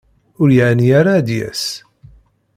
Ur yeɛni ara ad d-yas.